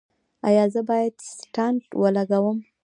ایا زه باید سټنټ ولګوم؟